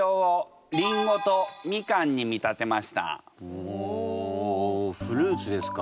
おフルーツですか。